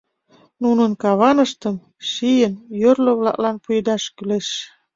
Нунын каваныштым, шийын, йорло-влаклан пуэдаш кӱлеш.